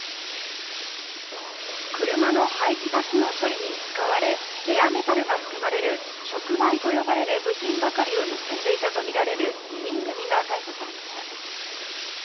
車の排気ガスの処理に使われ、レアメタルが含まれる触媒と呼ばれる部品ばかりを盗んでいたとみられる２人組が逮捕されました。